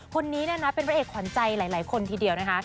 คนนี้เนี่ยนะเป็นพระเอกขวัญใจหลายคนทีเดียวนะคะ